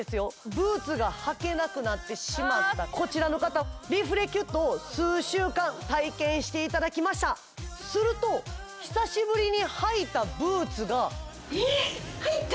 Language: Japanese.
ブーツが履けなくなってしまったこちらの方リフレキュットを数週間体験していただきましたすると久しぶりに履いたブーツがえ入った！